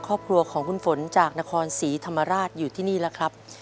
ครอบครัวของคุณฝนจากนครศรีธรรมราชอยู่ที่นี่แล้วครับ